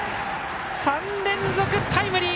３連続タイムリー！